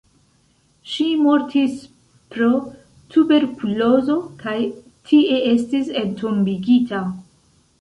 Ŝi mortis pro tuberkulozo kaj tie estis entombigita.